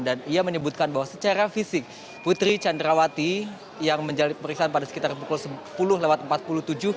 dan ia menyebutkan bahwa secara fisik putri candrawati yang menjalani pemeriksaan pada sekitar pukul sepuluh lewat empat puluh tujuh